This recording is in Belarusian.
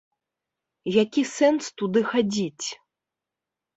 Які сэнс туды хадзіць?